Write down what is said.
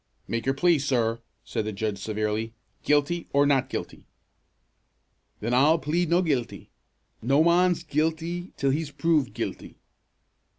"Make your plea, sir!" said the judge severely. "Guilty, or not guilty?" "Then I'll plead no' guilty. No mon's guilty till he's proved guilty."